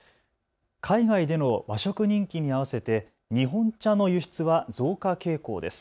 海外での和食人気に合わせて日本茶の輸出は増加傾向です。